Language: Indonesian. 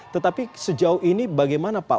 tetapi sejauh ini bagaimana pak